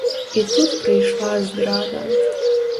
І тут прыйшла здрада.